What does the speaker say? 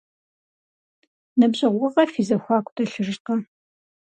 Ныбжьэгъугъэ фи зэхуаку дэлъыжкъэ?